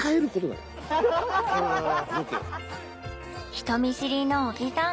・人見知りの小木さん。